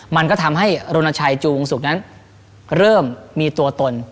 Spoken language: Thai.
มันก็ทำให้รณชัยจูวงศุกร์นั้นเริ่มมีตัวตน